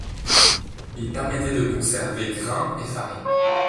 Il permettait de conserver grains et farine.